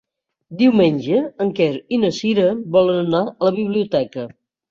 Diumenge en Quer i na Cira volen anar a la biblioteca.